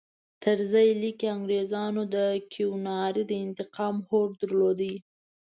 طرزي لیکي انګریزانو د کیوناري د انتقام هوډ درلود.